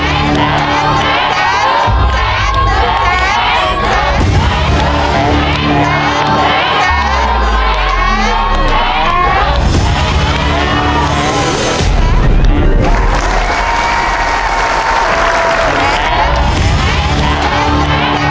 จากที่ลองโบนัสคราวได้คือ